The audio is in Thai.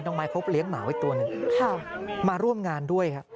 น้องไม้เรียกหมาไปตัวนึงมาร่วมงานด้วย